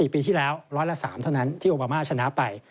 ปีที่แล้วร้อยละ๓เท่านั้นที่โอบามาชนะไป